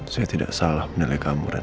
saya tidak salah menilai kamu ren